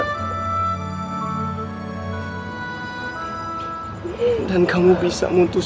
wadul itu atas kegemaran gue